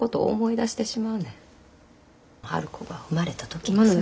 春子が生まれた時もそや。